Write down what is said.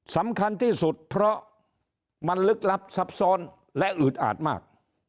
สำคัญที่สุดเพราะมันลึกลับซับซ้อนและอืดอาดมาก